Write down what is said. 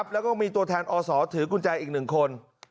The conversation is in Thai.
แล้วก็มีตัวแทนอศถือกุญแจอีก๑คน